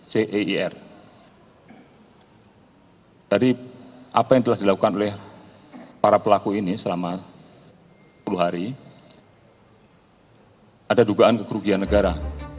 dari apa yang telah dilakukan oleh para pelaku ini selama sepuluh hari ada dugaan kerugian negara